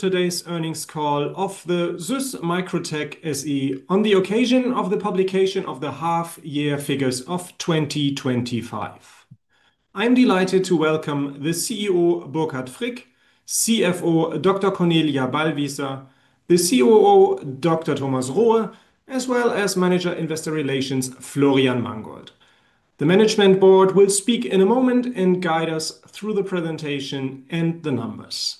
Today's earnings call of the SÜSS MicroTec SE on the occasion of the publication of the half-year figures of 2025. I'm delighted to welcome the CEO, Burkhardt Frick, CFO, Dr. Cornelia Ballwießer, the COO, Dr. Thomas Rohe, as well as Manager Investor Relations, Florian Mangold. The Management Board will speak in a moment and guide us through the presentation and the numbers.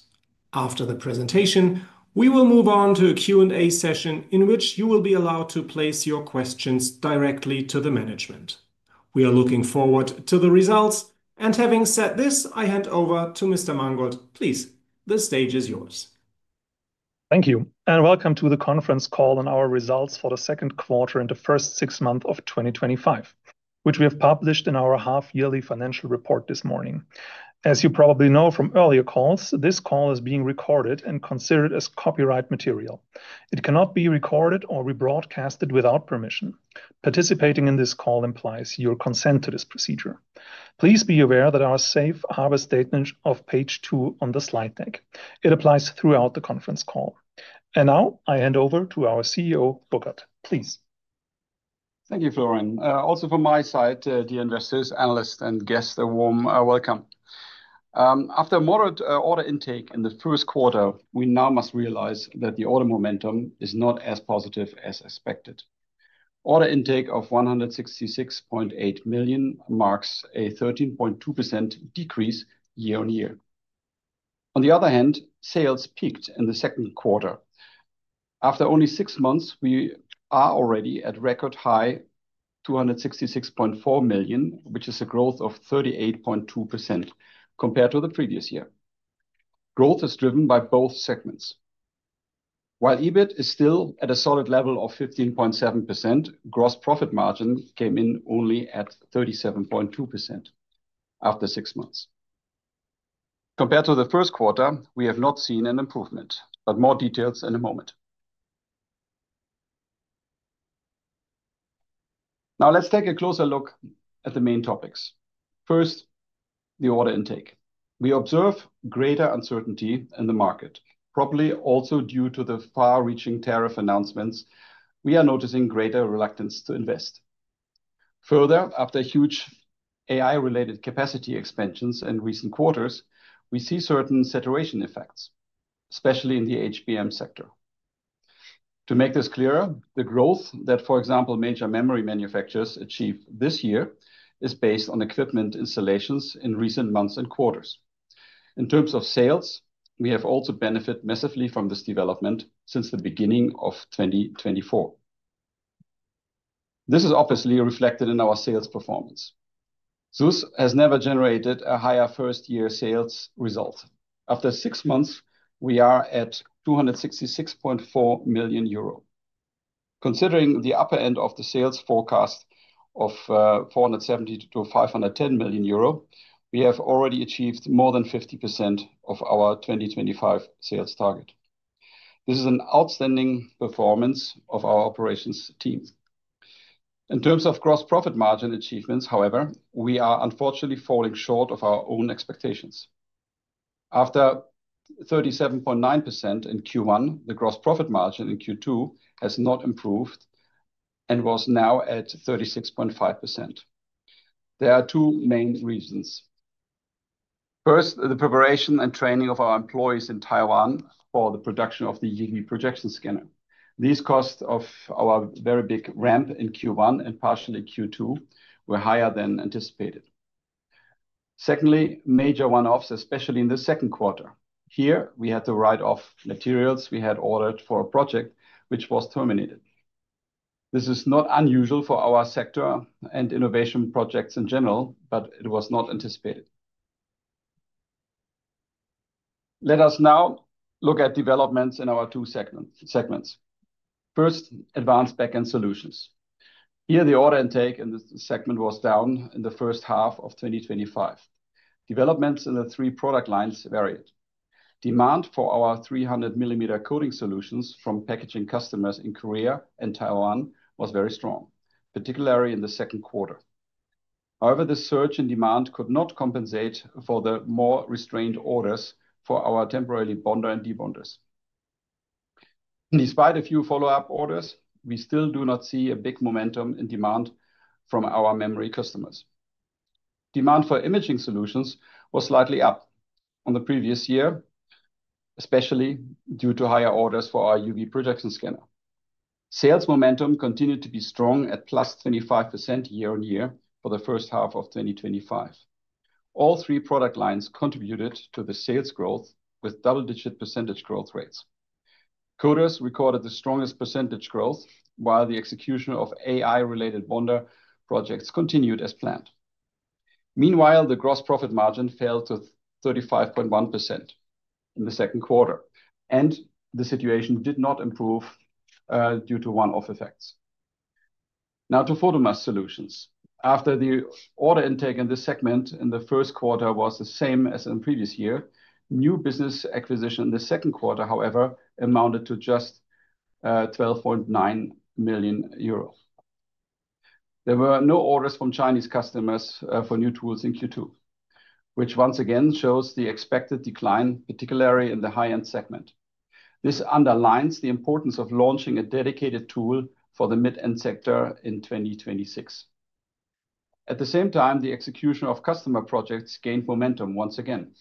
After the presentation, we will move on to a Q&A session in which you will be allowed to place your questions directly to the management. We are looking forward to the results. Having said this, I hand over to Mr. Mangold. Please, the stage is yours. Thank you, and welcome to the conference call on our results for the second quarter in the first six months of 2025, which we have published in our half-yearly financial report this morning. As you probably know from earlier calls, this call is being recorded and considered as copyright material. It cannot be recorded or rebroadcast without permission. Participating in this call implies your consent to this procedure. Please be aware that our safe harbor statement on page two of the slide deck applies throughout the conference call. I hand over to our CEO, Burkhardt. Please. Thank you, Florian. Also, from my side, dear investors, analysts, and guests, a warm welcome. After a moderate order intake in the first quarter, we now must realize that the order momentum is not as positive as expected. Order intake of 166.8 million marks a 13.2% decreased year-on-year. On the other hand, sales peaked in the second quarter. After only six months, we are already at a record high of 266.4 million, which is a growth of 38.2% compared to the previous year. Growth is driven by both segments. While EBIT is still at a solid level of 15.7%, gross profit margin came in only at 37.2% after six months. Compared to the first quarter, we have not seen an improvement, but more details in a moment. Now, let's take a closer look at the main topics. First, the order intake. We observe greater uncertainty in the market, probably also due to the far-reaching tariff announcements. We are noticing greater reluctance to invest. Further, after huge AI-related capacity expansions in recent quarters, we see certain saturation effects, especially in the HBM sector. To make this clearer, the growth that, for example, major memory manufacturers achieve this year is based on equipment installations in recent months and quarters. In terms of sales, we have also benefited massively from this development since the beginning of 2024. This is obviously reflected in our sales performance. SÜSS has never generated a higher first-year sales result. After six months, we are at 266.4 million euro. Considering the upper end of the sales forecast of 470 million-510 million euro, we have already achieved more than 50% of our 2025 sales target. This is an outstanding performance of our operations team. In terms of gross profit margin achievements, however, we are unfortunately falling short of our own expectations. After 37.9% in Q1, the gross profit margin in Q2 has not improved and was now at 36.5%. There are two main reasons. First, the preparation and training of our employees in Taiwan for the production of the UV projection scanner. These costs of our very big ramp in Q1 and partially Q2 were higher than anticipated. Secondly, major one-offs, especially in the second quarter. Here, we had to write off materials we had ordered for a project which was terminated. This is not unusual for our sector and innovation projects in general, but it was not anticipated. Let us now look at developments in our two segments. First, Advanced Backend Solutions. Here, the order intake in this segment was down in the first half of 2025. Developments in the three product lines varied. Demand for our 300 mm coating solutions from packaging customers in Korea and Taiwan was very strong, particularly in the second quarter. However, the surge in demand could not compensate for the more restrained orders for our temporary bonder and debonders. Despite a few follow-up orders, we still do not see a big momentum in demand from our memory customers. Demand for imaging solutions was slightly up in the previous year, especially due to higher orders for our UV projection scanner. Sales momentum continued to be strong at plus 25% year-on-year for the first half of 2025. All three product lines contributed to the sales growth with double-digit percentage growth rates. Coaters recorded the strongest percentage growth, while the execution of AI-related bonder projects continued as planned. Meanwhile, the gross profit margin fell to 35.1% in the second quarter, and the situation did not improve due to one-off effects. Now, to Photomask Solutions. After the order intake in this segment in the first quarter was the same as in the previous year, new business acquisition in the second quarter, however, amounted to just 12.9 million euros. There were no orders from Chinese customers for new tools in Q2, which once again shows the expected decline, particularly in the high-end segment. This underlines the importance of launching a dedicated tool for the mid-end sector in 2026. At the same time, the execution of customer projects gained momentum once again.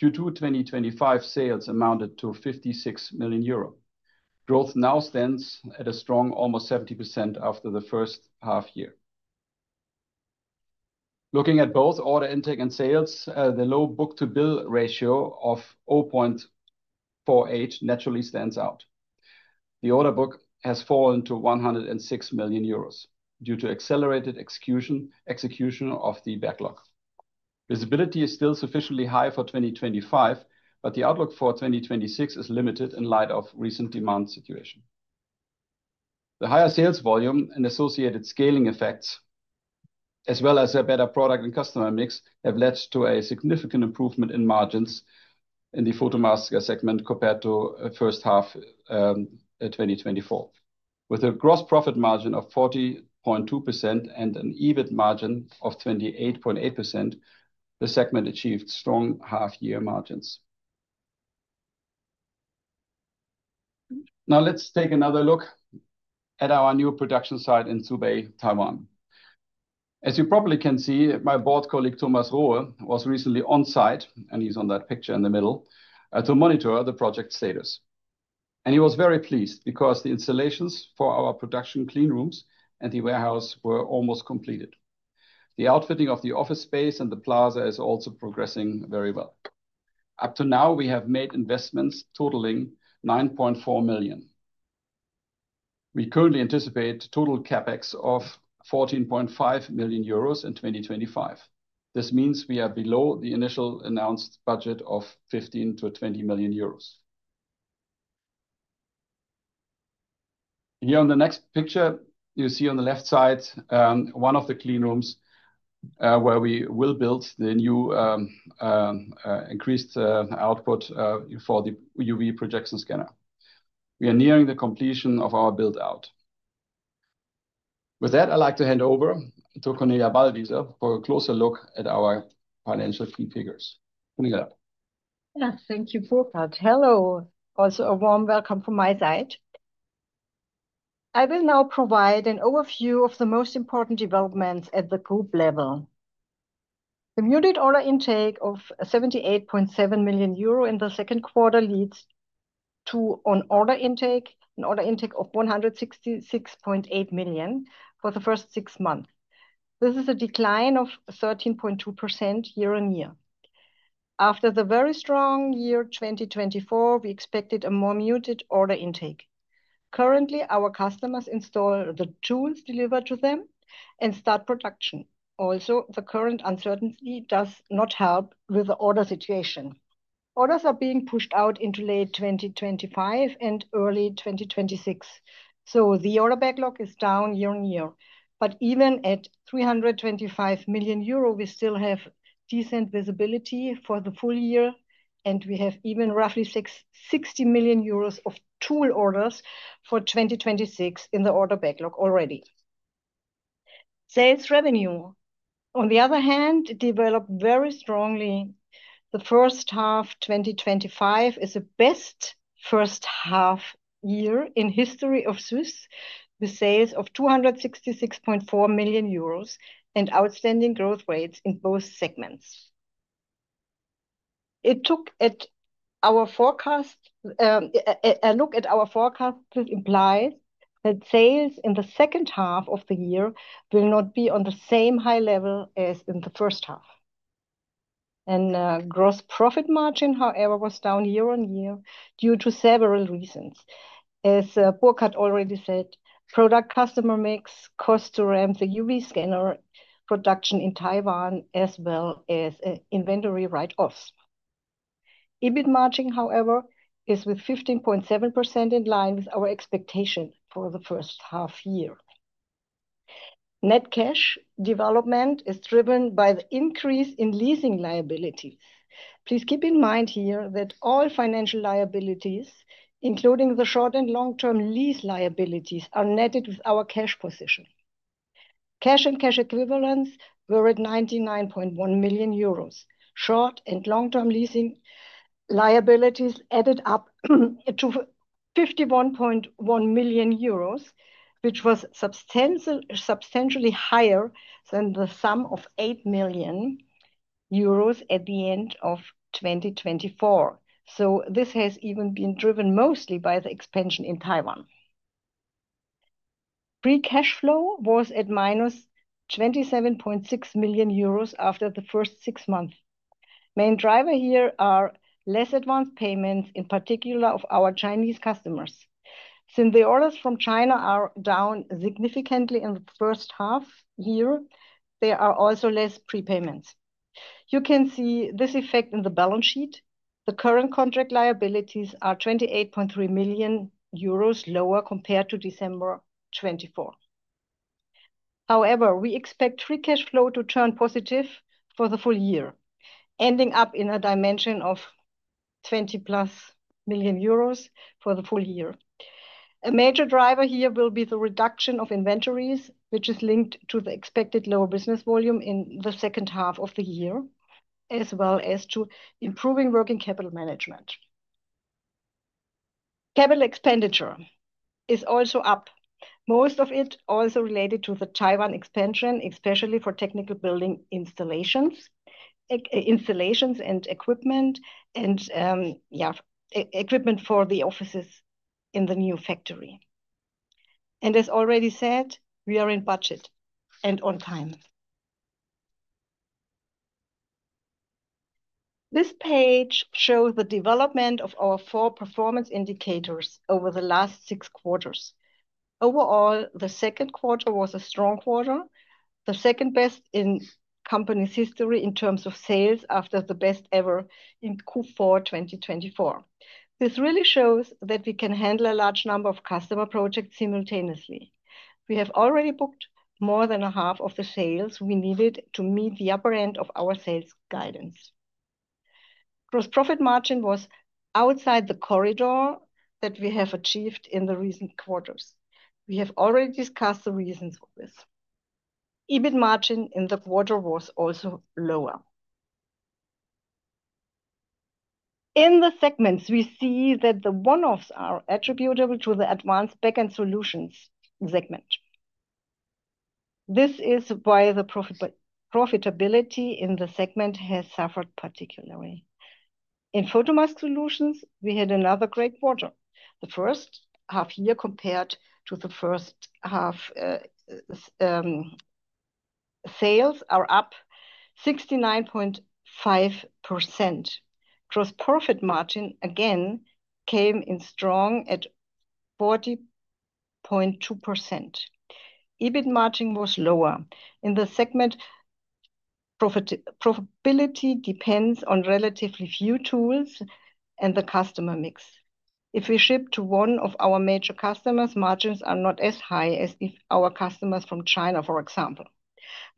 Q2 2025 sales amounted to 56 million euro. Growth now stands at a strong almost 70% after the first half year. Looking at both order intake and sales, the low book-to-bill ratio of 0.48 naturally stands out. The order book has fallen to 106 million euros due to accelerated execution of the backlog. Visibility is still sufficiently high for 2025, but the outlook for 2026 is limited in light of the recent demand situation. The higher sales volume and associated scaling effects, as well as a better product and customer mix, have led to a significant improvement in margins in the Photomask segment compared to the first half of 2024. With a gross profit margin of 40.2% and an EBIT margin of 28.8%, the segment achieved strong half-year margins. Now, let's take another look at our new production site in Zhubei, Taiwan. As you probably can see, my Board colleague, Thomas Rohe, was recently on site, and he's on that picture in the middle, to monitor the project status. He was very pleased because the installations for our production clean rooms and the warehouse were almost completed. The outfitting of the office space and the plaza is also progressing very well. Up to now, we have made investments totaling 9.4 million. We currently anticipate a total CapEx of 14.5 million euros in 2025. This means we are below the initial announced budget of 15 million-20 million euros. Here on the next picture, you see on the left side one of the clean rooms where we will build the new increased output for the UV projection scanner. We are nearing the completion of our build-out. With that, I'd like to hand over to Cornelia Ballwießer for a closer look at our financial key figures. Cornelia. Thank you, Burkhardt. Hello, also a warm welcome from my side. I will now provide an overview of the most important developments at the group level. The muted order intake of 78.7 million euro in the second quarter leads to an order intake of 166.8 million for the first six months. This is a decline of 13.2% year-on-year. After the very strong year 2024, we expected a more muted order intake. Currently, our customers install the tools delivered to them and start production. Also, the current uncertainty does not help with the order situation. Orders are being pushed out into late 2025 and early 2026. The order backlog is down year on year. Even at 325 million euro, we still have decent visibility for the full year, and we have even roughly 60 million euros of tool orders for 2026 in the order backlog already. Sales revenue, on the other hand, developed very strongly. The first half of 2025 is the best first half year in the history of SÜSS with sales of 266.4 million euros and outstanding growth rates in both segments. A look at our forecast implies that sales in the second half of the year will not be on the same high level as in the first half. Gross profit margin, however, was down year-on-year due to several reasons. As Burkhardt already said, product-customer mix, costs to ramp the UV projection scanner production in Taiwan, as well as inventory write-offs. EBIT margin, however, is with 15.7% in line with our expectation for the first half year. Net cash development is driven by the increase in leasing liabilities. Please keep in mind here that all financial liabilities, including the short and long-term lease liabilities, are netted with our cash position. Cash and cash equivalents were at 99.1 million euros. Short and long-term leasing liabilities added up to 51.1 million euros, which was substantially higher than the sum of 8 million euros at the end of 2024. This has even been driven mostly by the expansion in Taiwan. Free cash flow was at -27.6 million euros after the first six months. The main driver here are less advanced payments, in particular of our Chinese customers. Since the orders from China are down significantly in the first half year, there are also less prepayments. You can see this effect in the balance sheet. The current contract liabilities are 28.3 million euros lower compared to December 2024. However, we expect free cash flow to turn positive for the full year, ending up in a dimension of 20+ million euros for the full year. A major driver here will be the reduction of inventories, which is linked to the expected lower business volume in the second half of the year, as well as to improving working capital management. Capital expenditure is also up. Most of it is also related to the Taiwan expansion, especially for technical building installations and equipment, and equipment for the offices in the new factory. As already said, we are in budget and on time. This page shows the development of our four performance indicators over the last six quarters. Overall, the second quarter was a strong quarter, the second best in the company's history in terms of sales after the best ever in Q4 2024. This really shows that we can handle a large number of customer projects simultaneously. We have already booked more than half of the sales we need to meet the upper end of our sales guidance. Gross profit margin was outside the corridor that we have achieved in the recent quarters. We have already discussed the reasons for this. EBIT margin in the quarter was also lower. In the segments, we see that the one-offs are attributable to the Advanced Backend Solutions segment. This is why the profitability in the segment has suffered particularly. In Photomask Solutions, we had another great quarter. The first half year compared to the first half, sales are up 69.5%. Gross profit margin again came in strong at 40.2%. EBIT margin was lower. In the segment, profitability depends on relatively few tools and the customer mix. If we ship to one of our major customers, margins are not as high as if our customers from China, for example.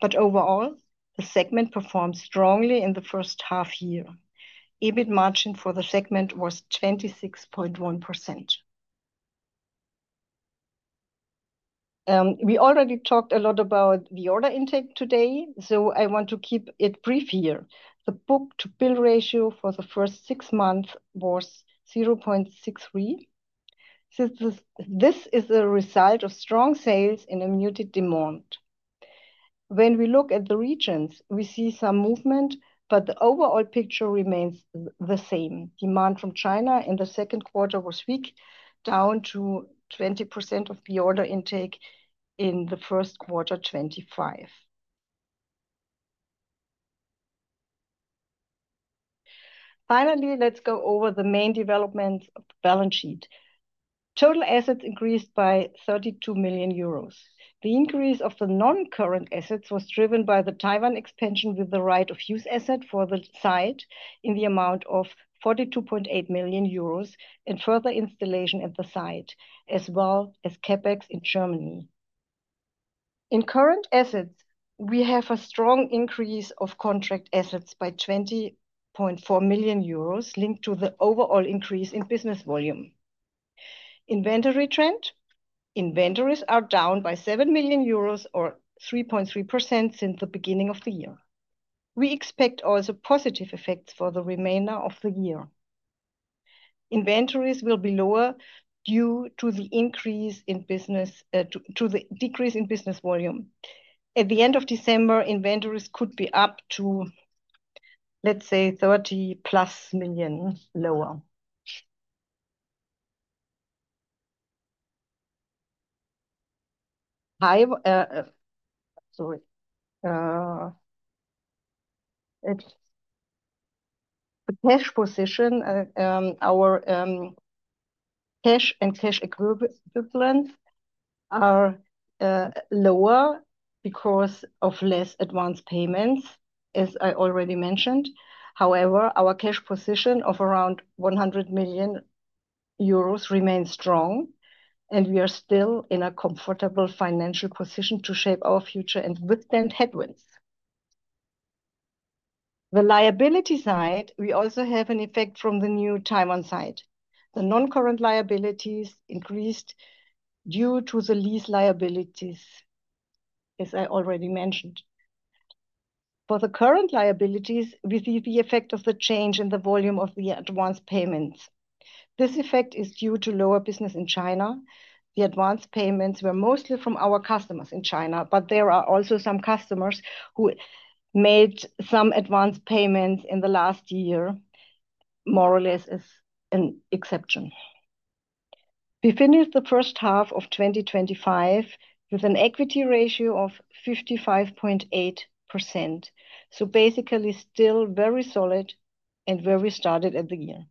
Overall, the segment performed strongly in the first half year. EBIT margin for the segment was 26.1%. We already talked a lot about the order intake today, so I want to keep it brief here. The book-to-bill ratio for the first six months was 0.63. This is the result of strong sales in a muted demand. When we look at the regions, we see some movement, but the overall picture remains the same. Demand from China in the second quarter was weak, down to 20% of the order intake in the first quarter 2025. Finally, let's go over the main development balance sheet. Total assets increased by 32 million euros. The increase of the non-current assets was driven by the Taiwan expansion with the right of use asset for the site in the amount of 42.8 million euros and further installation at the site, as well as CapEx in Germany. In current assets, we have a strong increase of contract assets by 20.4 million euros, linked to the overall increase in business volume. Inventory trend, inventories are down by 7 million euros or 3.3% since the beginning of the year. We expect also positive effects for the remainder of the year. Inventories will be lower due to the decrease in business volume. At the end of December, inventories could be up to, let's say, 30 million plus lower. The cash position, our cash and cash equivalents are lower because of less advanced payments, as I already mentioned. However, our cash position of around 100 million euros remains strong, and we are still in a comfortable financial position to shape our future and withstand headwinds. The liability side, we also have an effect from the new Taiwan site. The non-current liabilities increased due to the lease liabilities, as I already mentioned. For the current liabilities, we see the effect of the change in the volume of the advanced payments. This effect is due to lower business in China. The advanced payments were mostly from our customers in China, but there are also some customers who made some advanced payments in the last year, more or less as an exception. We finished the first half of 2025 with an equity ratio of 55.8%. Basically, still very solid and where we started at the year.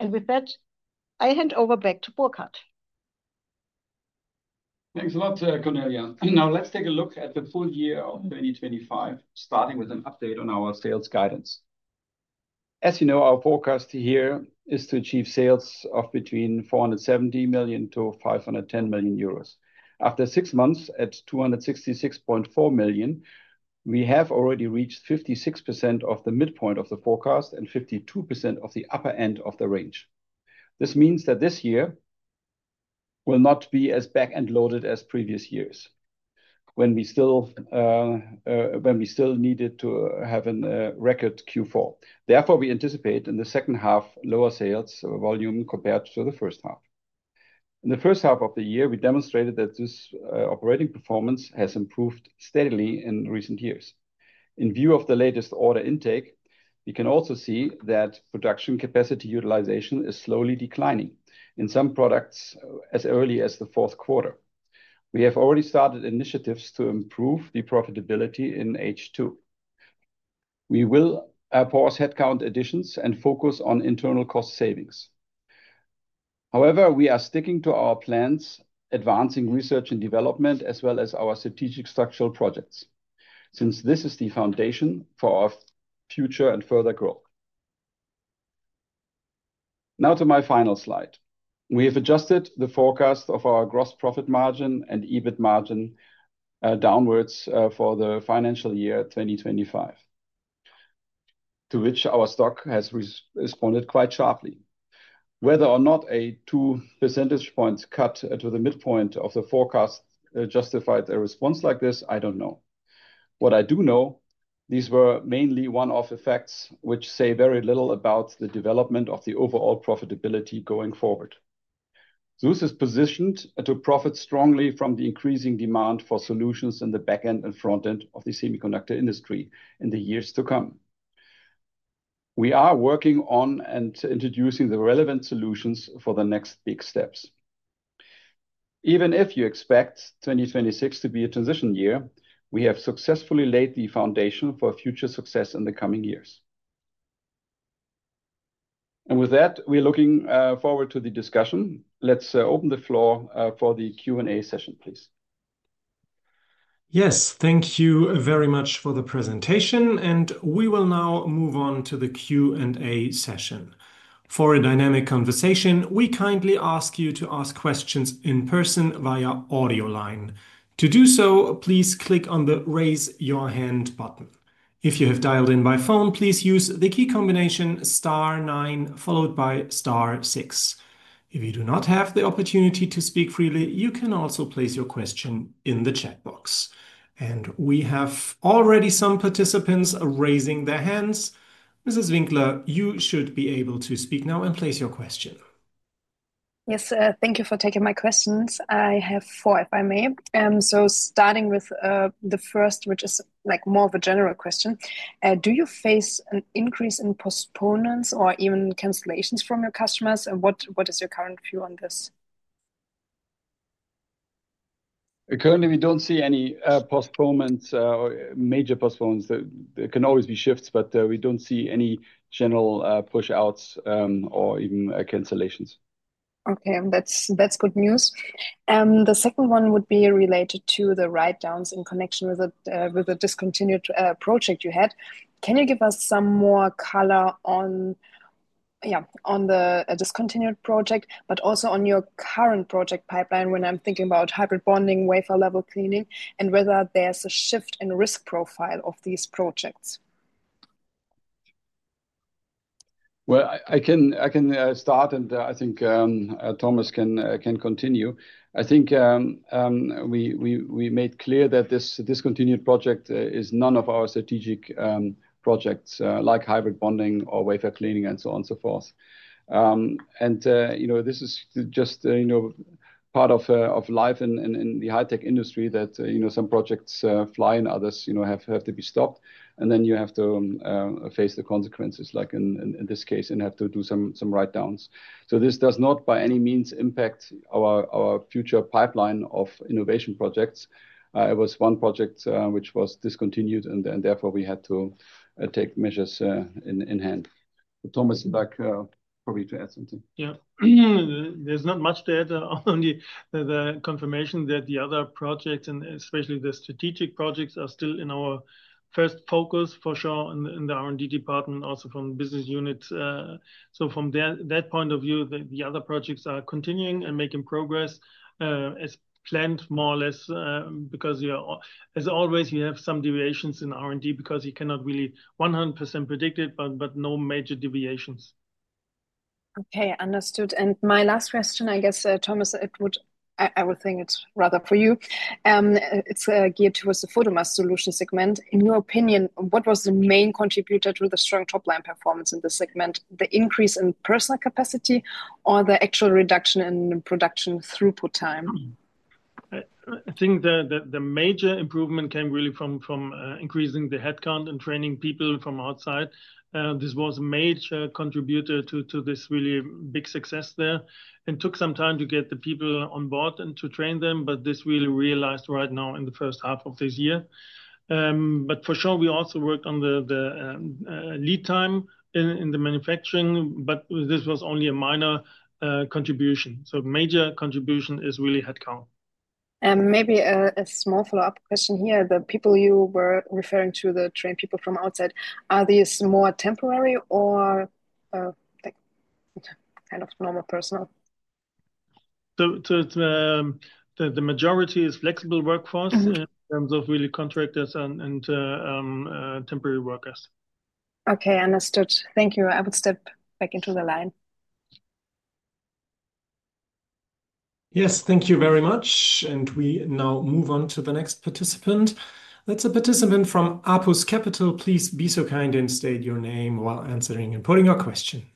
With that, I hand over back to Burkhardt. Thanks a lot, Cornelia. Now, let's take a look at the full-year of 2025, starting with an update on our sales guidance. As you know, our forecast here is to achieve sales of between 470 million-510 million euros. After six months at 266.4 million, we have already reached 56% of the midpoint of the forecast and 52% of the upper end of the range. This means that this year will not be as back-end loaded as previous years, when we still needed to have a record Q4. Therefore, we anticipate in the second half lower sales volume compared to the first half. In the first half of the year, we demonstrated that this operating performance has improved steadily in recent years. In view of the latest order intake, we can also see that production capacity utilization is slowly declining in some products as early as the fourth quarter. We have already started initiatives to improve the profitability in H2. We will pause headcount additions and focus on internal cost savings. However, we are sticking to our plans, advancing research and development, as well as our strategic structural projects, since this is the foundation for our future and further growth. Now to my final slide. We have adjusted the forecast of our gross profit margin and EBIT margin downwards for the financial year 2025, to which our stock has responded quite sharply. Whether or not a 2 percentage points cut to the midpoint of the forecast justified a response like this, I don't know. What I do know, these were mainly one-off effects which say very little about the development of the overall profitability going forward. SÜSS is positioned to profit strongly from the increasing demand for solutions in the backend and frontend of the semiconductor industry in the years to come. We are working on and introducing the relevant solutions for the next big steps. Even if you expect 2026 to be a transition year, we have successfully laid the foundation for future success in the coming years. With that, we're looking forward to the discussion. Let's open the floor for the Q&A session, please. Yes, thank you very much for the presentation, and we will now move on to the Q&A session. For a dynamic conversation, we kindly ask you to ask questions in person via audio line. To do so, please click on the Raise Your Hand button. If you have dialed in by phone, please use the key combination star nine followed by star six. If you do not have the opportunity to speak freely, you can also place your question in the chat box. We have already some participants raising their hands. Mrs. Winkler, you should be able to speak now and place your question. Yes, thank you for taking my questions. I have four, if I may. Starting with the first, which is more of a general question, do you face an increase in postponements or even cancellations from your customers? What is your current view on this? Currently, we don't see any postponements or major postponements. There can always be shifts, but we don't see any general push-outs or even cancellations. Okay, that's good news. The second one would be related to the write-downs in connection with the discontinued project you had. Can you give us some more color on the discontinued project, but also on your current project pipeline when I'm thinking about hybrid bonding, wafer-level cleaning, and whether there's a shift in the risk profile of these projects? I can start, and I think Thomas can continue. I think we made clear that this discontinued project is none of our strategic projects like hybrid bonding or wafer cleaning and so on and so forth. You know this is just part of life in the high-tech industry that some projects fly and others have to be stopped. You have to face the consequences, like in this case, and have to do some write-downs. This does not by any means impact our future pipeline of innovation projects. It was one project which was discontinued, and therefore we had to take measures in hand. Thomas, would you like probably to add something? Yeah, there's not much to add, only the confirmation that the other projects, and especially the strategic projects, are still in our first focus for sure in the R&D department, also from the business unit. From that point of view, the other projects are continuing and making progress as planned, more or less, because, as always, you have some deviations in R&D because you cannot really 100% predict it, but no major deviations. Okay, understood. My last question, I guess, Thomas, I would think it's rather for you. It's geared towards the Photomask Solutions segment. In your opinion, what was the main contributor to the strong top-line performance in this segment? The increase in processor capacity or the actual reduction in production throughput time? I think the major improvement came really from increasing the headcount and training people from outside. This was a major contributor to this really big success there. It took some time to get the people on board and to train them, but this really realized right now in the first half of this year. For sure, we also worked on the lead time in the manufacturing, but this was only a minor contribution. The major contribution is really headcount. Maybe a small follow-up question here, the people you were referring to, the trained people from outside, are these more temporary or kind of normal personnel? The majority is flexible workforce in terms of really contractors and temporary workers. Okay, understood. Thank you. I would step back into the line. Yes, thank you very much. We now move on to the next participant. That's a participant from Apus Capital. Please be so kind and state your name while answering and putting your question.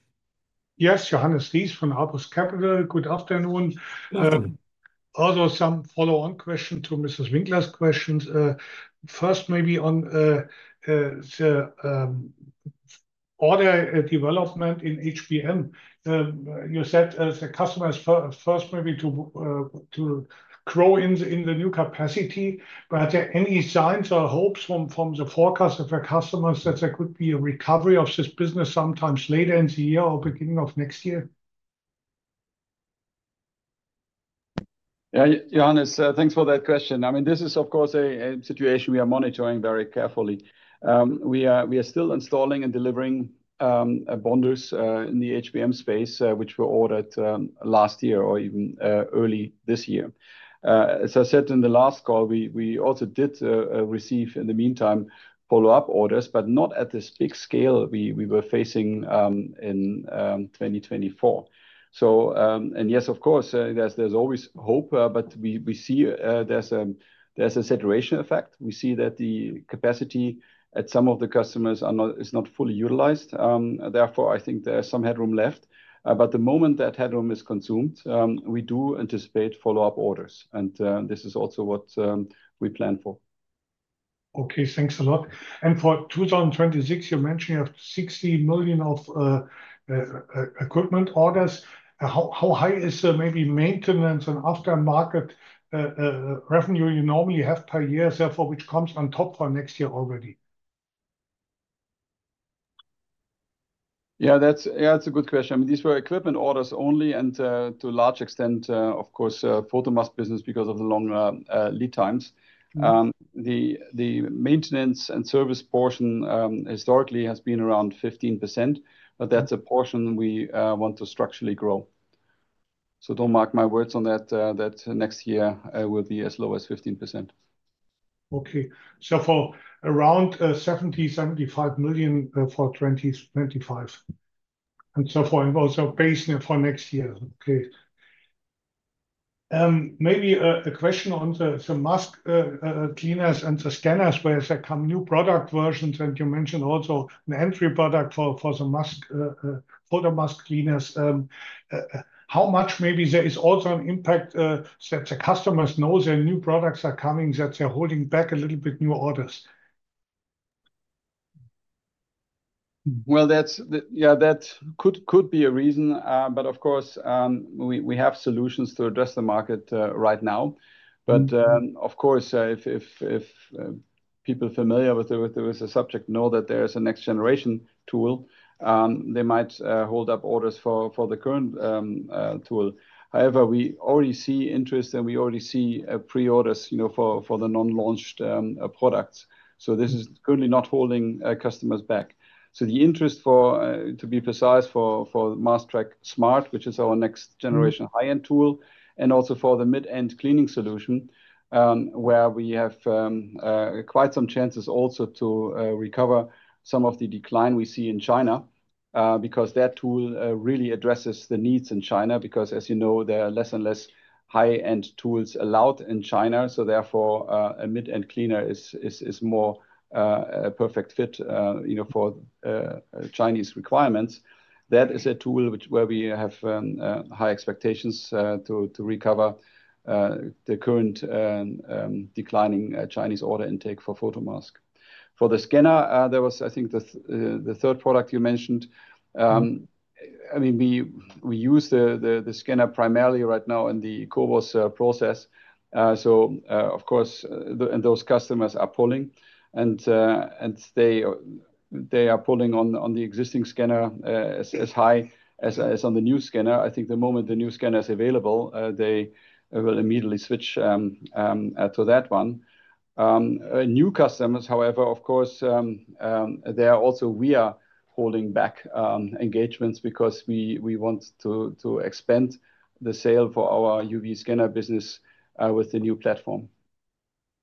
Yes, Johannes Ries from Apus Capital. Good afternoon. I'll do some follow-on questions to Mrs. Winkler's questions. First, maybe on the order development in HBM. You said the customers first maybe to grow in the new capacity, but are there any signs or hopes from the forecast of the customers that there could be a recovery of this business sometimes later in the year or beginning of next year? Yeah, Johannes, thanks for that question. I mean, this is, of course, a situation we are monitoring very carefully. We are still installing and delivering bonders in the HBM space, which were ordered last year or even early this year. As I said in the last call, we also did receive, in the meantime, follow-up orders, but not at this big scale we were facing in 2024. Yes, of course, there's always hope, but we see there's a saturation effect. We see that the capacity at some of the customers is not fully utilized. Therefore, I think there's some headroom left. The moment that headroom is consumed, we do anticipate follow-up orders. This is also what we plan for. Okay, thanks a lot. For 2026, you mentioned you have 60 million of equipment orders. How high is maybe maintenance and aftermarket revenue you normally have per year, therefore, which comes on top for next year already? Yeah, that's a good question. I mean, these were equipment orders only, and to a large extent, of course, Photomask business because of the long lead times. The maintenance and service portion historically has been around 15%, but that's a portion we want to structurally grow. Don't mark my words on that. That next year will be as low as 15%. Okay, so for around 70 million, 75 million for 2025. For next year, okay. Maybe a question on the mask cleaners and the scanners where there come new product versions, and you mentioned also an entry product for the mask cleaners. How much maybe there is also an impact that the customers know their new products are coming, that they're holding back a little bit new orders? That could be a reason, but of course, we have solutions to address the market right now. If people familiar with the subject know that there is a next-generation tool, they might hold up orders for the current tool. However, we already see interest and we already see pre-orders for the non-launched products. This is currently not holding customers back. The interest for, to be precise, the MaskTrack Smart, which is our next-generation high-end tool, and also for the mid-end cleaning solution, where we have quite some chances also to recover some of the decline we see in China, is strong because that tool really addresses the needs in China. As you know, there are less and less high-end tools allowed in China. Therefore, a mid-end cleaner is a more perfect fit for Chinese requirements. That is a tool where we have high expectations to recover the current declining Chinese order intake for Photomask. For the scanner, I think the third product you mentioned, we use the scanner primarily right now in the Cobos process. Those customers are pulling, and they are pulling on the existing scanner as high as on the new scanner. I think the moment the new scanner is available, they will immediately switch to that one. New customers, however, are also holding back engagements because we want to expand the sale for our UV projection scanner business with the new platform.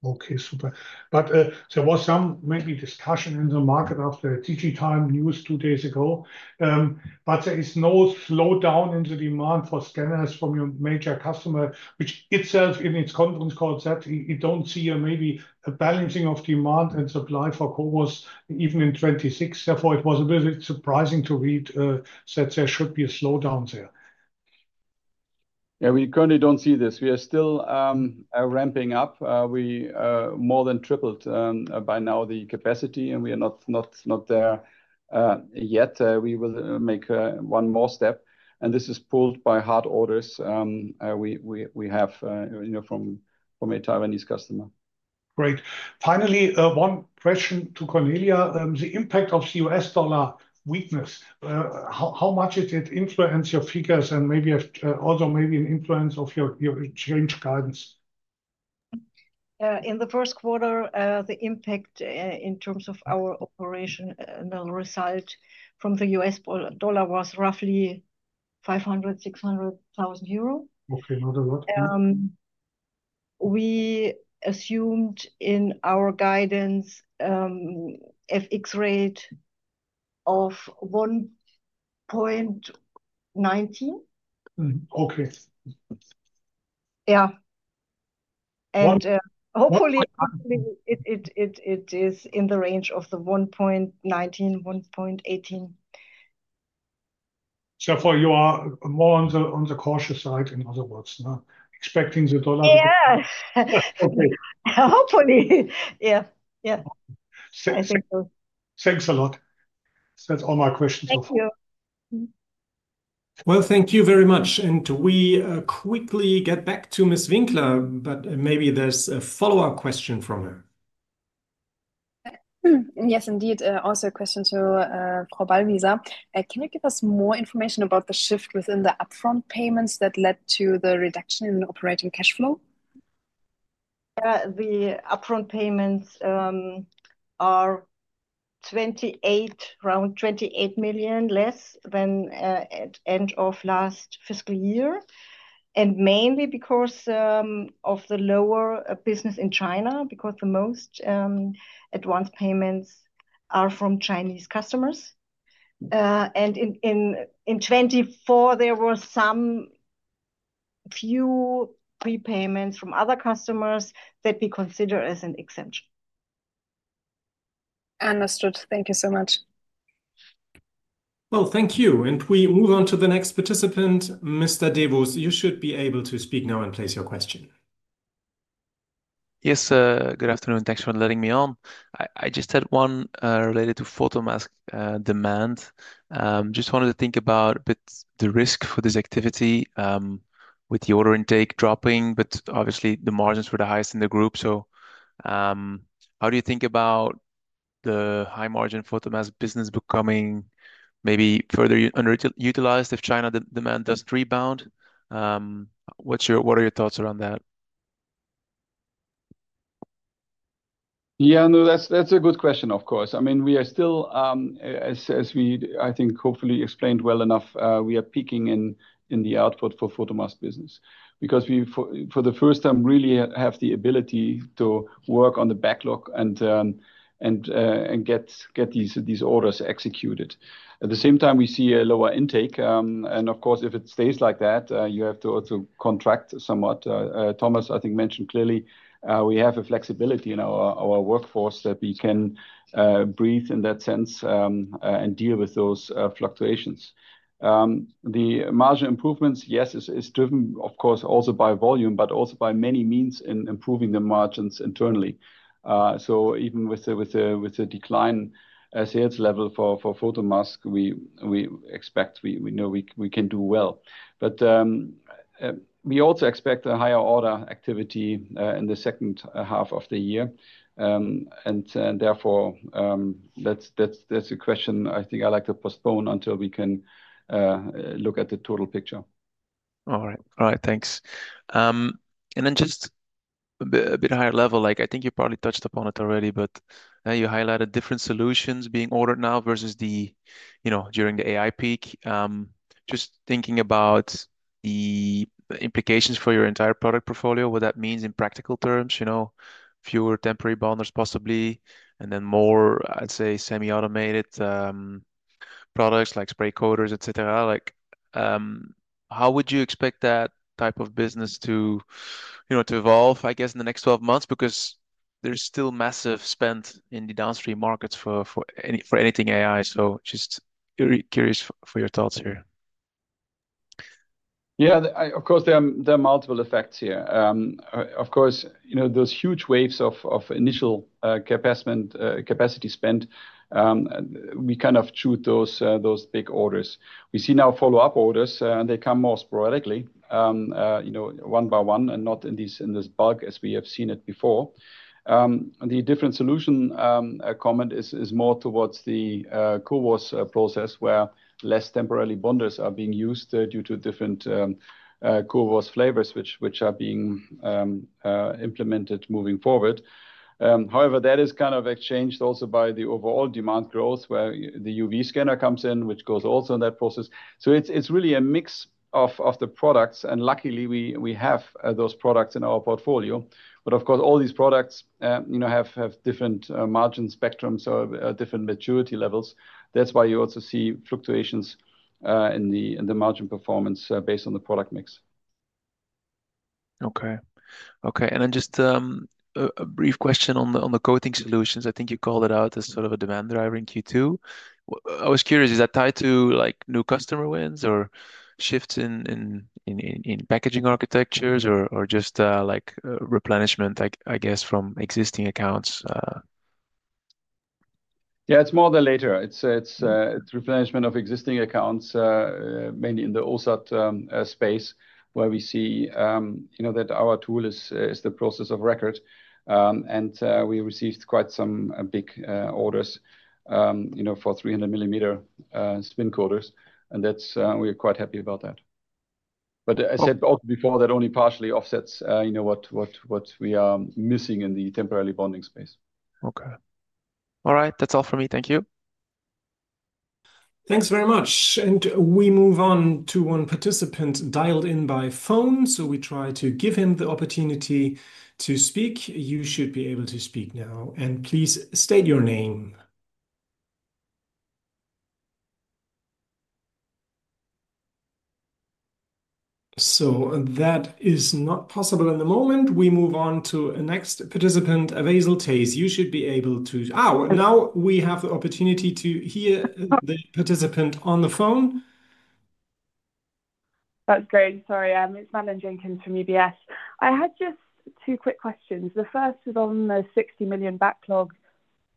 Okay, super. There was some mainly discussion in the market of the TG Time news two days ago. There is no slowdown in the demand for scanners from your major customer, which itself in its conference call said it doesn't see maybe a balancing of demand and supply for Cobos even in 2026. Therefore, it was a little bit surprising to read that there should be a slowdown there. Yeah, we currently don't see this. We are still ramping up. We have more than tripled by now the capacity, and we are not there yet. We will make one more step. This is pulled by hard orders we have from a Taiwanese customer. Great. Finally, one question to Cornelia. The impact of the U.S. dollar weakness, how much did it influence your figures and maybe also maybe an influence of your exchange guidance? In the first quarter, the impact in terms of our operation and the result from the U.S. dollar was roughly 500,000-600,000 euro. Okay, not a lot. We assumed in our guidance FX rate of EUR 1.19. Okay. Hopefully, it is in the range of 1.19, 1.18. You are more on the cautious side, in other words, expecting the dollar to. Yes, hopefully. Yeah. Thanks a lot. That's all my questions. Thank you. Thank you very much. We quickly get back to Ms. Winkler, but maybe there's a follow-up question from her. Yes, indeed. Also a question to Ballwießer. Can you give us more information about the shift within the upfront payments that led to the reduction in operating cash flow? The upfront payments are around 28 million less than at the end of last fiscal year, mainly because of the lower business in China, because the most advanced payments are from Chinese customers. In 2024, there were some few prepayments from other customers that we consider as an exception. Understood. Thank you so much. Thank you. We move on to the next participant, Mr. Devos. You should be able to speak now and place your question. Yes, good afternoon. Thanks for letting me on. I just had one related to Photomask demand. Just wanted to think about a bit the risk for this activity with the order intake dropping, but obviously, the margins were the highest in the group. How do you think about the high-margin Photomask business becoming maybe further underutilized if China demand does rebound? What are your thoughts around that? Yeah, no, that's a good question, of course. I mean, we are still, as we, I think, hopefully explained well enough, we are peaking in the output for Photomask business because we, for the first time, really have the ability to work on the backlog and get these orders executed. At the same time, we see a lower intake. If it stays like that, you have to also contract somewhat. Thomas, I think, mentioned clearly we have a flexibility in our workforce that we can breathe in that sense and deal with those fluctuations. The margin improvements, yes, is driven, of course, also by volume, but also by many means in improving the margins internally. Even with the decline in sales level for Photomask, we expect we know we can do well. We also expect a higher order activity in the second half of the year. Therefore, that's a question I think I'd like to postpone until we can look at the total picture. All right. Thanks. Just a bit higher level, I think you probably touched upon it already, but you highlighted different solutions being ordered now versus during the AI peak. Just thinking about the implications for your entire product portfolio, what that means in practical terms, fewer temporary bonders possibly, and then more, I'd say, semi-automated products like spray coaters, etc. How would you expect that type of business to evolve, I guess, in the next 12 months? There is still massive spend in the downstream markets for anything AI. Just curious for your thoughts here. Yeah, of course, there are multiple effects here. Of course, you know, those huge waves of initial capacity spend, we kind of chewed those big orders. We see now follow-up orders, and they come more sporadically, you know, one by one and not in this bulk as we have seen it before. The different solution comment is more towards the Cobos process where less temporary bonders are being used due to different Cobos flavors which are being implemented moving forward. However, that is kind of exchanged also by the overall demand growth where the UV projection scanner comes in, which goes also in that process. It is really a mix of the products, and luckily, we have those products in our portfolio. Of course, all these products, you know, have different margin spectrums, so different maturity levels. That's why you also see fluctuations in the margin performance based on the product mix. Okay. Okay. Just a brief question on the coating solutions. I think you called it out as sort of a demand driver in Q2. I was curious, is that tied to new customer wins or shifts in packaging architectures or just replenishment, I guess, from existing accounts? Yeah, it's more the latter. It's replenishment of existing accounts, mainly in the Advanced Backend Solutions space, where we see, you know, that our tool is the process of record. We received quite some big orders, you know, for 300 mm spin coaters, and we're quite happy about that. As I said before, that only partially offsets, you know, what we are missing in the temporary bonding space. Okay. All right. That's all for me. Thank you. Thanks very much. We move on to one participant dialed in by phone. We try to give him the opportunity to speak. You should be able to speak now. Please state your name. That is not possible in the moment. We move on to the next participant, Avazel Tays. You should be able to... Oh, now we have the opportunity to hear the participant on the phone. That's great. Sorry, it's Madeleine Jenkins from UBS. I had just two quick questions. The first is on the 60 million backlog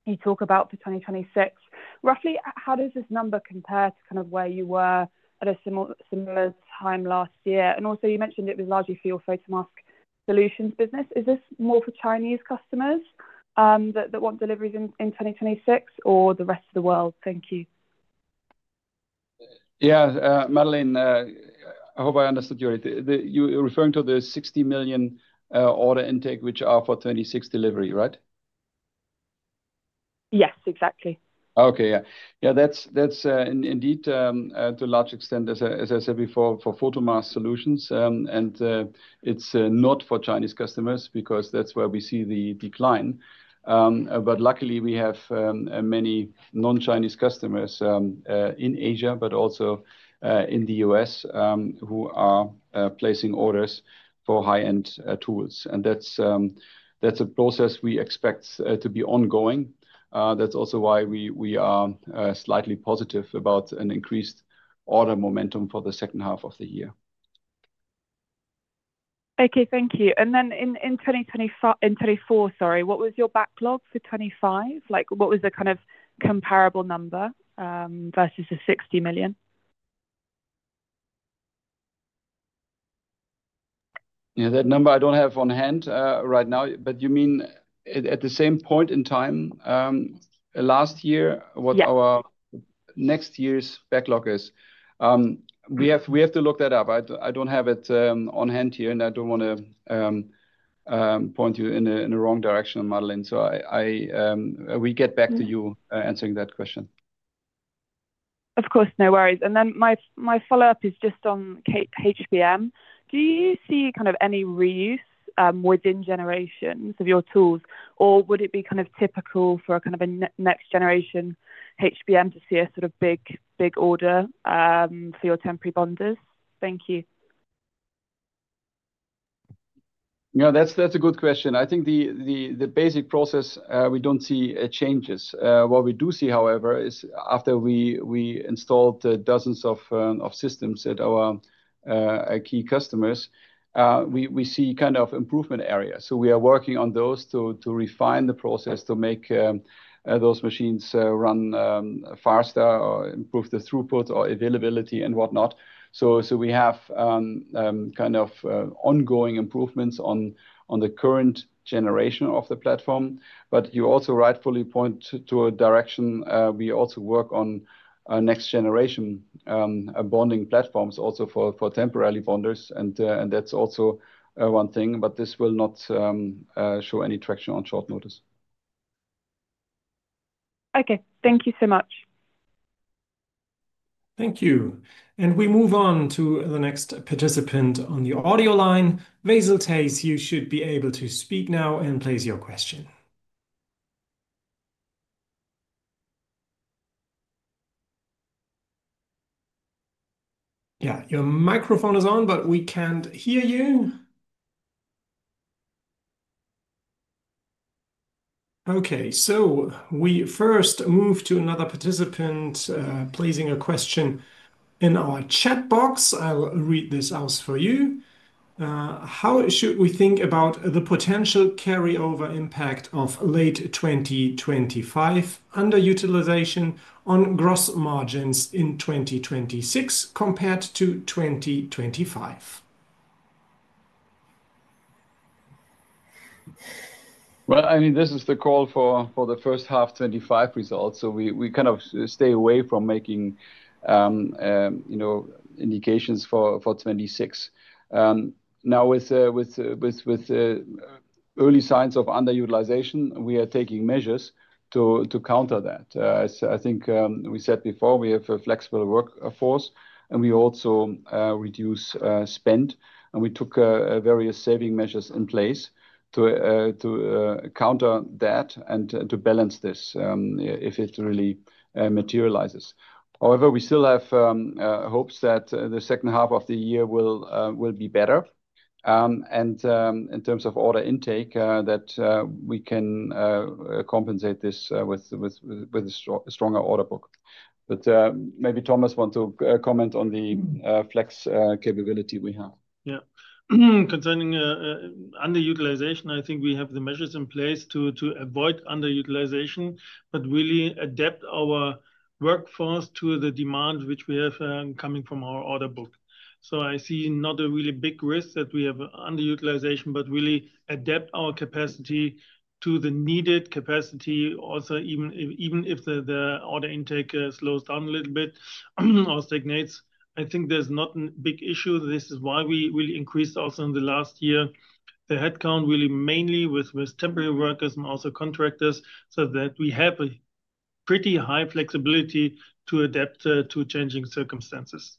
you talk about for 2026. Roughly, how does this number compare to kind of where you were at a similar time last year? Also, you mentioned it was largely for your Photomask Solutions business. Is this more for Chinese customers that want deliveries in 2026 or the rest of the world? Thank you. Madeleine, I hope I understood your question. You're referring to the 60 million order intake, which are for 2026 delivery, right? Yes, exactly. Okay, yeah. That's indeed to a large extent, as I said before, for Photomask Solutions. It's not for Chinese customers because that's where we see the decline. Luckily, we have many non-Chinese customers in Asia, but also in the U.S. who are placing orders for high-end tools. That's a process we expect to be ongoing. That's also why we are slightly positive about an increased order momentum for the second half of the year. Okay, thank you. In 2024, sorry, what was your backlog for 2025? What was the kind of comparable number versus the 60 million? Yeah, that number I don't have on hand right now, but you mean at the same point in time last year what our next year's backlog is? We have to look that up. I don't have it on hand here, and I don't want to point you in the wrong direction, Madeleine. We get back to you answering that question. Of course, no worries. My follow-up is just on HBM. Do you see any reuse within generations of your tools, or would it be typical for a next-generation HBM to see a big order for your temporary bonders? Thank you. No, that's a good question. I think the basic process, we don't see changes. What we do see, however, is after we installed dozens of systems at our key customers, we see improvement areas. We are working on those to refine the process, to make those machines run faster, improve the throughput, availability, and whatnot. We have ongoing improvements on the current generation of the platform. You also rightfully point to a direction. We also work on next-generation bonding platforms for temporary bonders, and that's also one thing, but this will not show any traction on short notice. Okay, thank you so much. Thank you. We move on to the next participant on the audio line. Avazel Tays, you should be able to speak now and place your question. Your microphone is on, but we can't hear you. We first move to another participant placing a question in our chat box. I'll read this out for you. How should we think about the potential carryover impact of late 2025 underutilization on gross margins in 2026 compared to 2025? This is the call for the first half 2025 results. We kind of stay away from making, you know, indications for 2026. Now, with early signs of underutilization, we are taking measures to counter that. I think we said before, we have a flexible workforce, and we also reduce spend. We took various saving measures in place to counter that and to balance this if it really materializes. However, we still have hopes that the second half of the year will be better. In terms of order intake, we can compensate this with a stronger order book. Maybe Thomas wants to comment on the flex capability we have. Yeah, concerning underutilization, I think we have the measures in place to avoid underutilization, but really adapt our workforce to the demand which we have coming from our order book. I see not a really big risk that we have underutilization, but really adapt our capacity to the needed capacity. Also, even if the order intake slows down a little bit or stagnates, I think there's not a big issue. This is why we really increased also in the last year the headcount really mainly with temporary workers and also contractors, so that we have a pretty high flexibility to adapt to changing circumstances.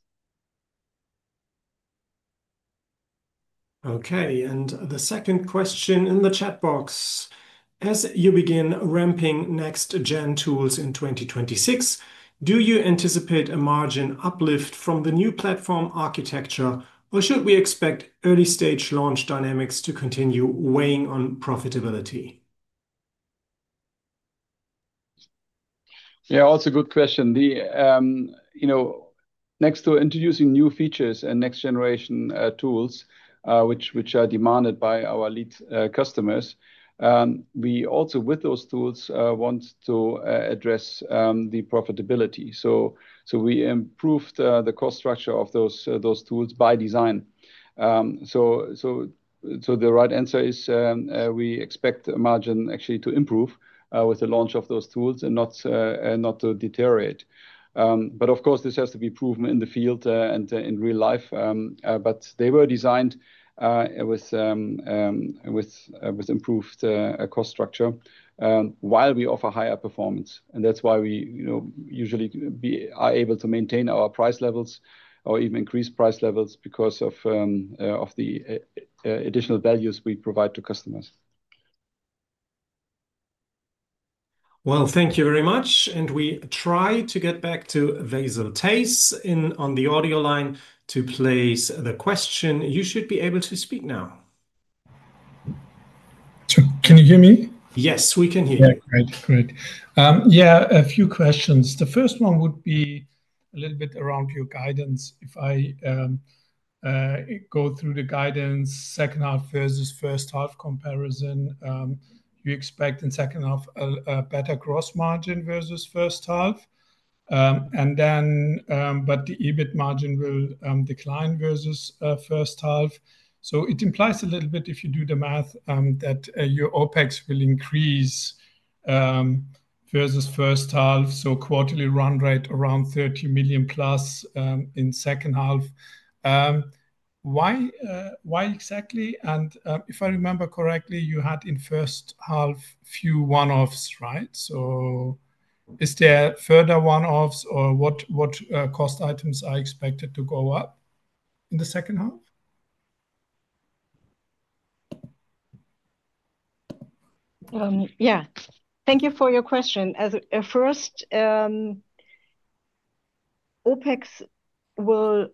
Okay, and the second question in the chat box. As you begin ramping NextGen tools in 2026, do you anticipate a margin uplift from the new platform architecture, or should we expect early-stage launch dynamics to continue weighing on profitability? Yeah, also a good question. Next to introducing new features and next-generation tools, which are demanded by our lead customers, we also, with those tools, want to address the profitability. We improved the cost structure of those tools by design. The right answer is we expect margin actually to improve with the launch of those tools and not to deteriorate. Of course, this has to be proven in the field and in real life. They were designed with improved cost structure while we offer higher performance. That's why we usually are able to maintain our price levels or even increase price levels because of the additional values we provide to customers. Thank you very much. We try to get back to Avazel Tays on the audio line to place the question. You should be able to speak now. Can you hear me? Yes, we can hear you. Great, great. Right. Yeah, a few questions. The first one would be a little bit around your guidance. If I go through the guidance, second half versus first half comparison, do you expect in the second half a better gross margin versus first half? Then the EBIT margin will decline versus first half. It implies a little bit, if you do the math, that your OpEx will increase versus first half. Quarterly run rate around 30 million plus in the second half. Why exactly? If I remember correctly, you had in the first half a few one-offs, right? Is there further one-offs or what cost items are expected to go up in the second half? Yeah, thank you for your question. First, OpEx will,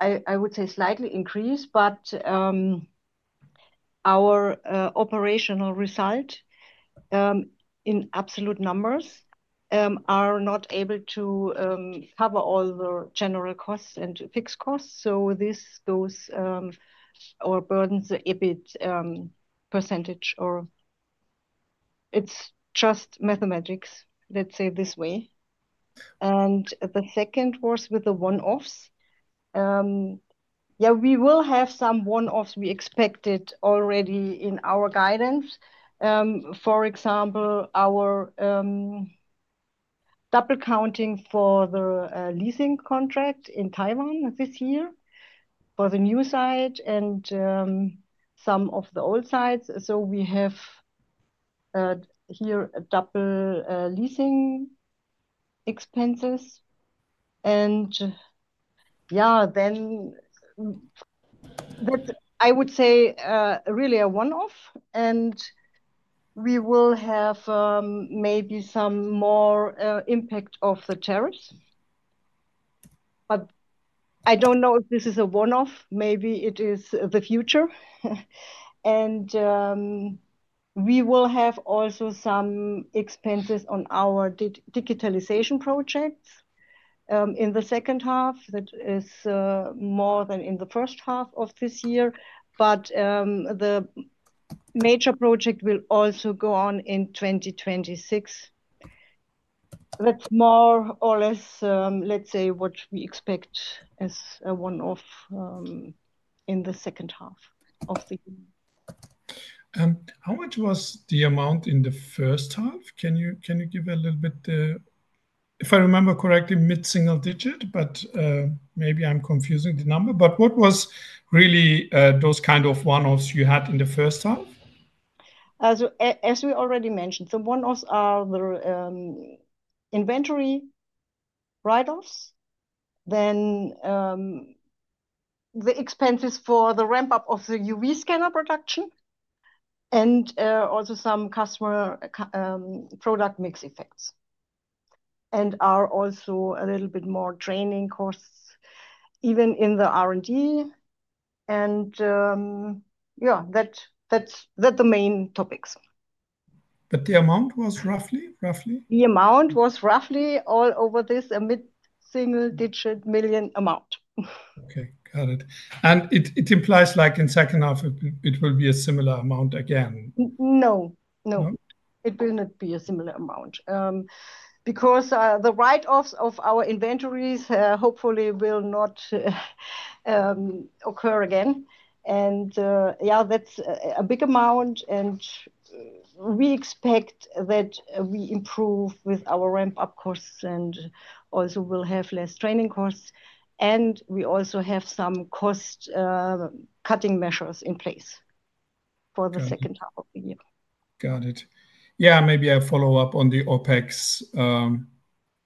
I would say, slightly increase, but our operational result in absolute numbers are not able to cover all the general costs and fixed costs. This goes or burdens the EBIT percentage, or it's just mathematics, let's say this way. The second was with the one-offs. Yeah, we will have some one-offs we expected already in our guidance. For example, our double counting for the leasing contract in Taiwan this year for the new site and some of the old sites. We have here double leasing expenses. I would say really a one-off, and we will have maybe some more impact of the tariffs. I don't know if this is a one-off. Maybe it is the future. We will have also some expenses on our digitalization projects in the second half. That is more than in the first half of this year. The major project will also go on in 2026. That's more or less, let's say, what we expect as a one-off in the second half of the year. How much was the amount in the first half? Can you give a little bit? If I remember correctly, mid-single digit, but maybe I'm confusing the number. What was really those kind of one-offs you had in the first half? As we already mentioned, the one-offs are the inventory write-offs, then the expenses for the ramp-up of the UV projection scanner production, and also some customer product mix effects, and are also a little bit more training costs, even in the R&D. That's the main topics. What was the amount roughly? The amount was roughly all over this mid-single digit million amount. Okay, got it. It implies like in the second half, it will be a similar amount again? No, no. It will not be a similar amount because the write-offs of our inventories hopefully will not occur again. That's a big amount. We expect that we improve with our ramp-up costs and also will have less training costs. We also have some cost-cutting measures in place for the second half of the year. Got it. Yeah, maybe I follow up on the OpEx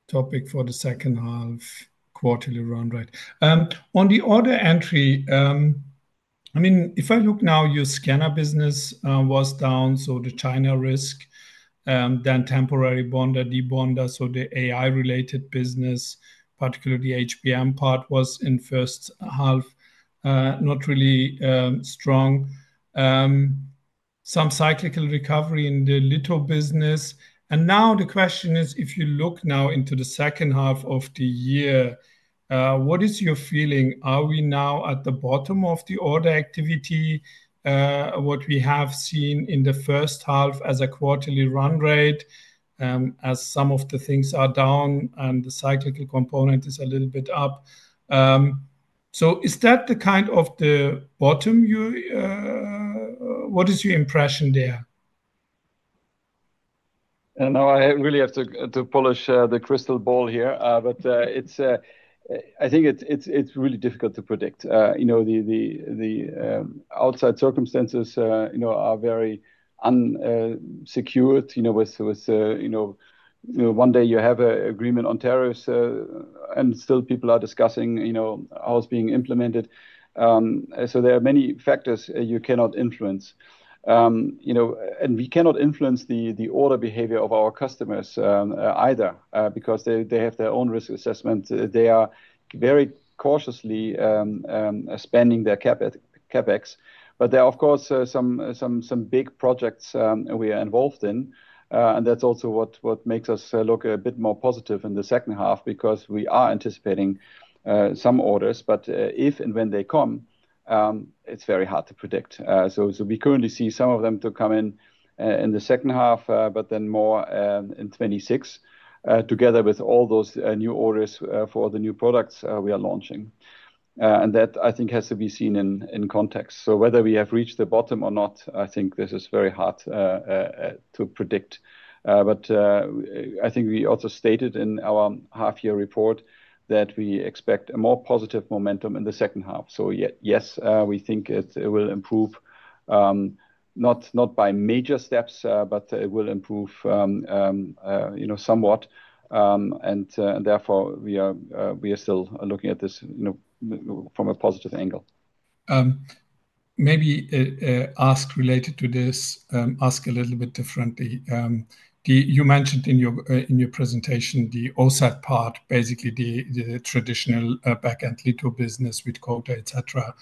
topic for the second half quarterly run rate. On the order entry, I mean, if I look now, your scanner business was down, so the China risk, then temporary bonder, debonder, so the AI-related business, particularly the HBM part, was in the first half not really strong. Some cyclical recovery in the little business. Now the question is, if you look now into the second half of the year, what is your feeling? Are we now at the bottom of the order activity? What we have seen in the first half as a quarterly run rate, as some of the things are down and the cyclical component is a little bit up. Is that the kind of the bottom you... What is your impression there? Now, I really have to polish the crystal ball here, but I think it's really difficult to predict. The outside circumstances are very unsecured. One day you have an agreement on tariffs, and still people are discussing how it's being implemented. There are many factors you cannot influence. We cannot influence the order behavior of our customers either because they have their own risk assessment. They are very cautiously spending their CapEx. There are, of course, some big projects we are involved in. That's also what makes us look a bit more positive in the second half because we are anticipating some orders. If and when they come, it's very hard to predict. We currently see some of them to come in in the second half, but then more in 2026, together with all those new orders for the new products we are launching. That, I think, has to be seen in context. Whether we have reached the bottom or not, I think this is very hard to predict. I think we also stated in our half-year report that we expect a more positive momentum in the second half. Yes, we think it will improve, not by major steps, but it will improve somewhat. Therefore, we are still looking at this from a positive angle. Maybe ask related to this, ask a little bit differently. You mentioned in your presentation the Allsart part, basically the traditional backend little business with quota, etc.,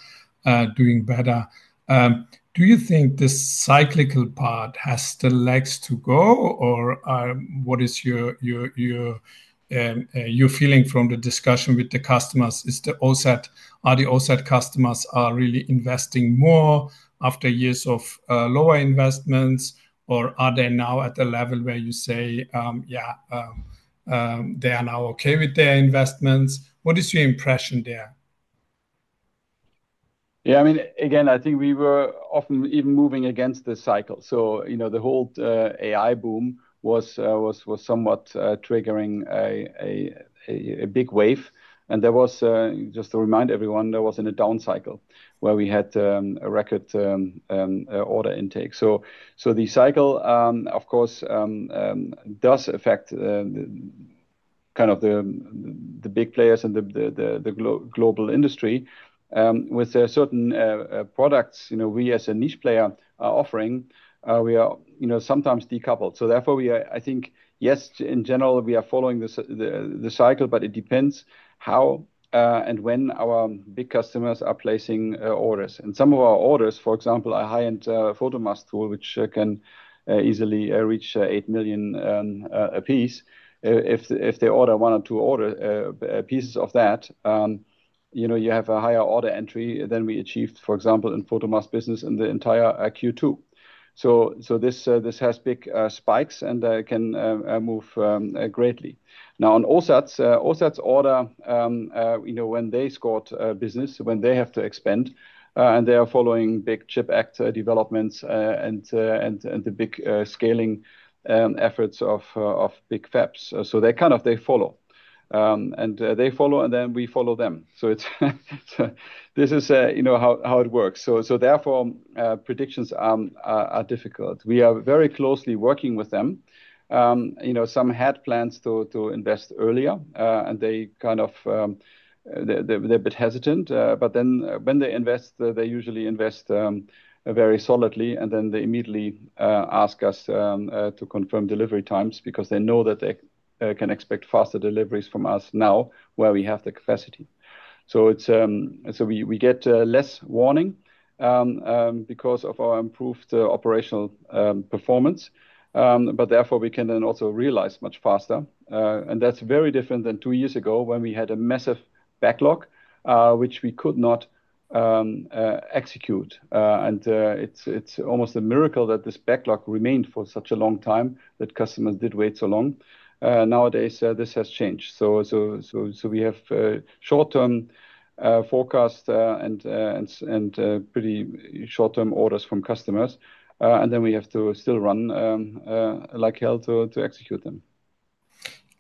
doing better. Do you think this cyclical part has still legs to go, or what is your feeling from the discussion with the customers? Are the Allsart customers really investing more after years of lower investments, or are they now at a level where you say, yeah, they are now okay with their investments? What is your impression there? Yeah, I mean, again, I think we were often even moving against the cycle. You know the whole AI boom was somewhat triggering a big wave. There was, just to remind everyone, a down cycle where we had a record order intake. The cycle, of course, does affect kind of the big players and the global industry. With certain products, you know we as a niche player are offering, we are sometimes decoupled. Therefore, I think, yes, in general, we are following the cycle, but it depends how and when our big customers are placing orders. Some of our orders, for example, a high-end Photomask tool, which can easily reach $8 million a piece, if they order one or two pieces of that, you know you have a higher order entry than we achieved, for example, in Photomask business in the entire Q2. This has big spikes and can move greatly. Now, on Allsart's order, you know when they scored business, when they have to expend, and they are following big CHIP Act developments and the big scaling efforts of big fabs. They kind of follow. They follow, and then we follow them. This is how it works. Therefore, predictions are difficult. We are very closely working with them. Some had plans to invest earlier, and they kind of, they're a bit hesitant. When they invest, they usually invest very solidly, and then they immediately ask us to confirm delivery times because they know that they can expect faster deliveries from us now where we have the capacity. We get less warning because of our improved operational performance. Therefore, we can then also realize much faster. That's very different than two years ago when we had a massive backlog, which we could not execute. It's almost a miracle that this backlog remained for such a long time that customers did wait so long. Nowadays, this has changed. We have short-term forecasts and pretty short-term orders from customers. We have to still run like hell to execute them.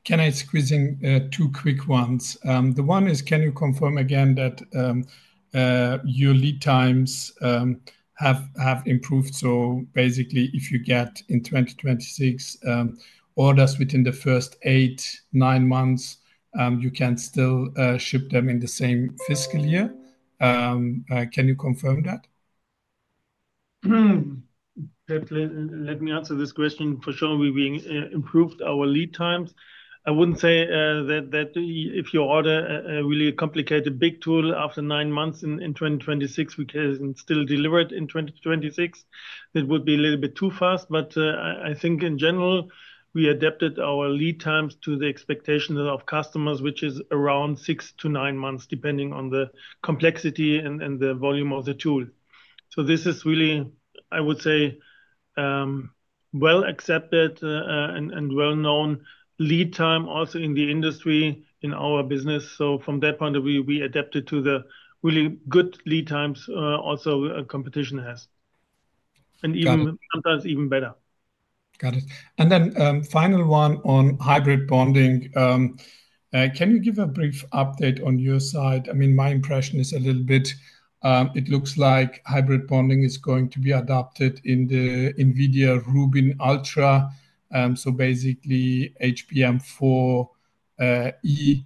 Can I squeeze in two quick ones? One is, can you confirm again that your lead times have improved? If you get in 2026 orders within the first eight, nine months, you can still ship them in the same fiscal year. Can you confirm that? Let me answer this question. For sure, we've improved our lead times. I wouldn't say that if you order a really complicated big tool after nine months in 2026, we can still deliver it in 2026. That would be a little bit too fast. I think in general, we adapted our lead times to the expectations of customers, which is around six to nine months, depending on the complexity and the volume of the tool. This is really, I would say, well-accepted and well-known lead time also in the industry in our business. From that point of view, we adapted to the really good lead times also the competition has, and even sometimes even better. Got it. Final one on hybrid bonding. Can you give a brief update on your side? My impression is a little bit it looks like hybrid bonding is going to be adopted in the Nvidia Rubin Ultra, so basically HBM4E.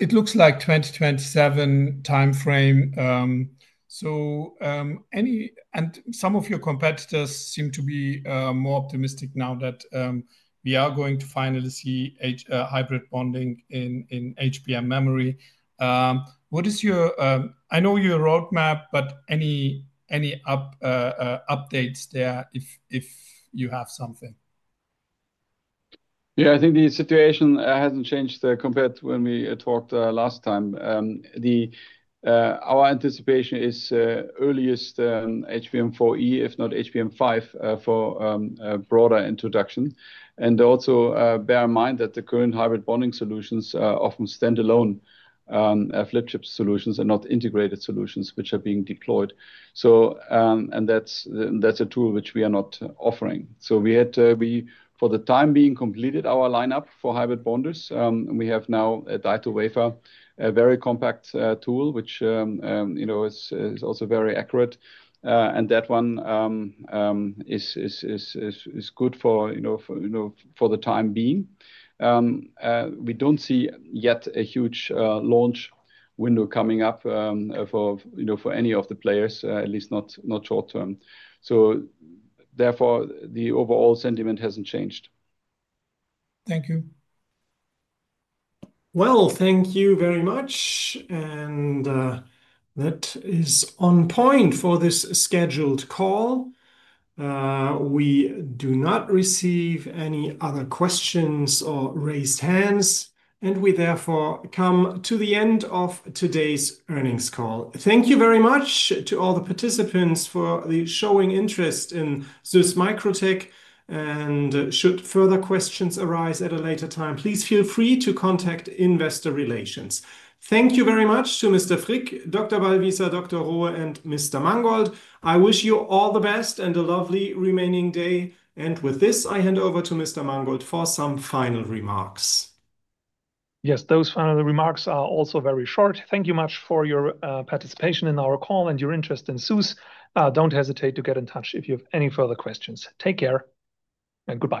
It looks like 2027 timeframe. Some of your competitors seem to be more optimistic now that we are going to finally see hybrid bonding in HBM memory. What is your, I know your roadmap, but any updates there if you have something? I think the situation hasn't changed compared to when we talked last time. Our anticipation is earliest HBM4E, if not HBM5, for a broader introduction. Also, bear in mind that the current hybrid bonding solutions often stand alone. Flip chip solutions are not integrated solutions which are being deployed. That's a tool which we are not offering. We had, for the time being, completed our lineup for hybrid bonders. We have now a die-to-wafer, a very compact tool which is also very accurate. That one is good for the time being. We don't see yet a huge launch window coming up for any of the players, at least not short-term. Therefore, the overall sentiment hasn't changed. Thank you. Thank you very much. That is on point for this scheduled call. We do not receive any other questions or raised hands. We therefore come to the end of today's earnings call. Thank you very much to all the participants for showing interest in SÜSS MicroTec. Should further questions arise at a later time, please feel free to contact Investor Relations. Thank you very much to Mr. Frick, Dr. Ballwießer, Dr. Rohe, and Mr. Mangold. I wish you all the best and a lovely remaining day. With this, I hand over to Mr. Mangold for some final remarks. Yes, those final remarks are also very short. Thank you much for your participation in our call and your interest in SÜSS. Don't hesitate to get in touch if you have any further questions. Take care and goodbye.